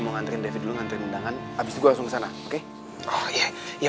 mau nganterin pizza jelas dibuka pintunya